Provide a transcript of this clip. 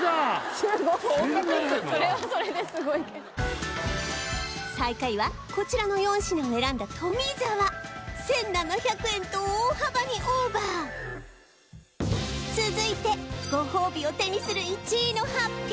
それはそれですごいけど最下位はこちらの４品を選んだ富澤１７００円と大幅にオーバー続いてご褒美を手にする１位の発表